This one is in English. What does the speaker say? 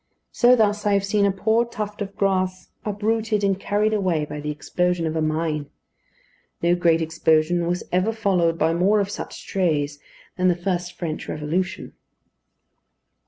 So thus I have seen a poor tuft of grass uprooted and carried away by the explosion of a mine. No great explosion was ever followed by more of such strays than the first French Revolution.